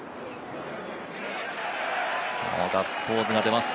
ガッツポーズが出ます。